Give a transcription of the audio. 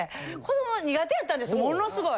ものすごい。